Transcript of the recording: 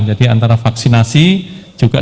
jadi antara vaksinasi juga